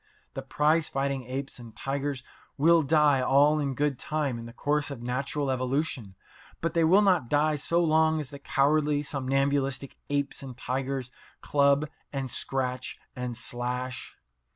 The prize fighting apes and tigers will die all in good time in the course of natural evolution, but they will not die so long as the cowardly, somnambulistic apes and tigers club and scratch and slash.